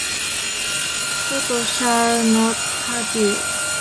Toto shall not hurt you.